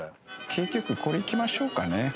景気良くこれいきましょうかね。